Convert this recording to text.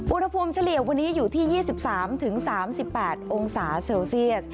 เฉลี่ยวันนี้อยู่ที่๒๓๓๘องศาเซลเซียส